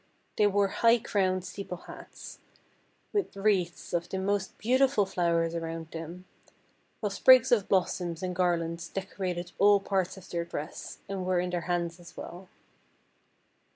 They wore high crowned steeple hats, with wreaths of the most beautiful flowers around them; while sprigs of blossoms and garlands decorated all parts of their dress, and were in their hands as well.